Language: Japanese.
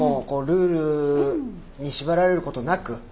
こうルールに縛られることなく。